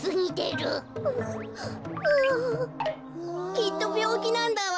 きっとびょうきなんだわ。